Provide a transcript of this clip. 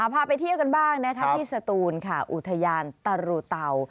พาไปเที่ยวกันบ้างนะคะที่สตูนค่ะอุทยานตรูเตา